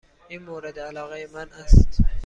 این مورد علاقه من است.